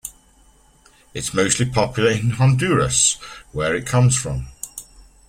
It's mostly popular in Honduras, where it comes from.